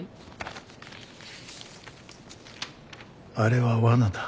「あれは罠だ」